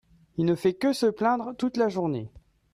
il ne fait que se plaindre toute la journée.